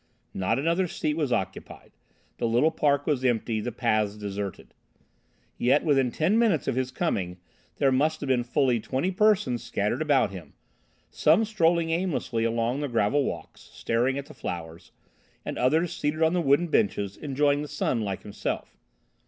Not another seat was occupied; the little park was empty, the paths deserted. Yet, within ten minutes of his coming, there must have been fully twenty persons scattered about him, some strolling aimlessly along the gravel walks, staring at the flowers, and others seated on the wooden benches enjoying the sun like himself.